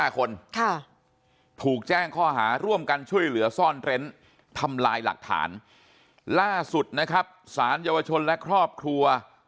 ถูกแจ้งข้อหาร่วมกันช่วยเหลือซ่อนเร้นทำลายหลักฐานล่าสุดนะครับสารเยาวชนและครอบครัว